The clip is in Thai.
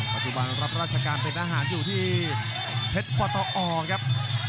ปัจจุบันรับราชการเป็นทหารอยู่ที่เพชรปตอครับ